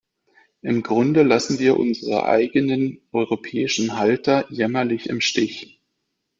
Im Grunde lassen wir unsere eigenen europäischen Halter jämmerlich im Stich.